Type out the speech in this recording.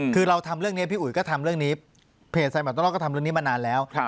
คือเราทำเรื่องนี้พี่อุ๋ยก็ทำเรื่องนี้เพจไซมาตลอดก็ทำเรื่องนี้มานานแล้ว